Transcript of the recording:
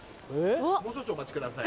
もう少々お待ちください。